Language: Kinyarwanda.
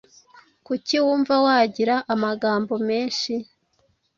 Kuki wumva wagira amagambo menshi.